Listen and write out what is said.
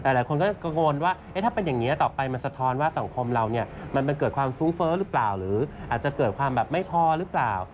หลายคนก็กังวลว่าถ้าเป็นอย่างนี้ต่อไปมันสะท้อนว่าสังคมเราเนี่ยมันเกิดความฟุ้งเฟ้อหรือเปล่าหรืออาจจะเกิดความแบบไม่พอหรือเปล่า